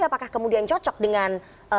apakah kemudian cocok dengan